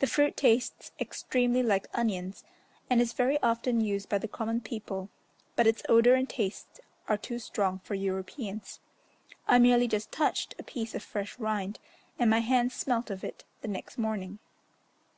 The fruit tastes extremely like onions, and is very often used by the common people, but its odour and taste are too strong for Europeans. I merely just touched a piece of fresh rind, and my hands smelt of it the next morning.